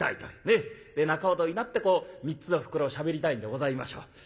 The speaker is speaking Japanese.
仲人になってこう３つの袋をしゃべりたいんでございましょう。